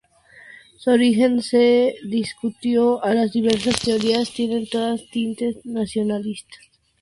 Su origen es discutido y las diversas teorías tienen todas tintes nacionalistas.